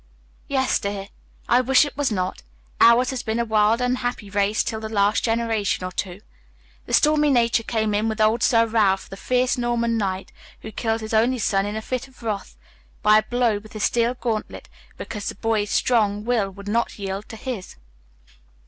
"Yes, dear. I wish it was not. Ours has been a wild, unhappy race till the last generation or two. The stormy nature came in with old Sir Ralph, the fierce Norman knight, who killed his only son in a fit of wrath, by a blow with his steel gauntlet, because the boy's strong will would not yield to his."